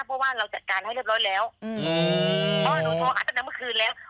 เพราะว่าเราจัดการให้เรียบร้อยแล้วอืมเพราะว่าหนูโทรหาตั้งแต่เมื่อคืนแล้ว